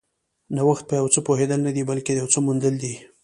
نوښت په یو څه پوهېدل نه دي، بلکې د یو څه موندل دي.